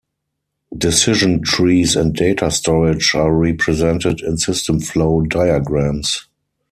Decision trees and data storage are represented in system flow diagrams.